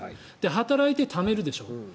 働いて、ためるでしょ。